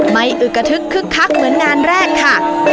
ไม่อึกธึกคึกคักเหมือนงานแรกค่ะ